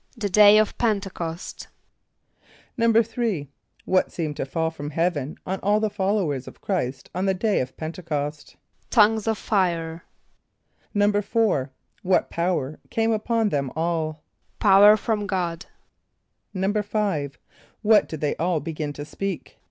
=The Day of P[)e]n´te c[)o]st.= =3.= What seemed to fall from heaven on all the followers of Chr[=i]st on the day of P[)e]n´te c[)o]st? =Tongues of fire.= =4.= What power came upon them all? =Power from God.= =5.= What did they all begin to speak?